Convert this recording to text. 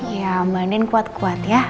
ya mbak nen kuat kuat ya